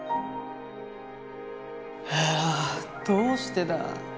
はあどうしてだ。